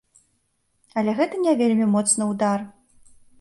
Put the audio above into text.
Але гэта не вельмі моцны ўдар.